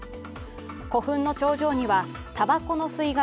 古墳の頂上にはたばこの吸い殻